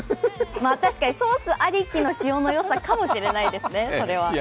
確かに、ソースありきの塩のよさかもしれないですね、それは。